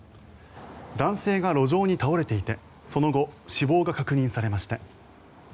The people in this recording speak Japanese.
男性が路上に倒れていてその後、死亡が確認されました。